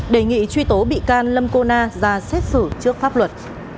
đề nghị truy tố bị can lâm cô na ra xét xử trước pháp luật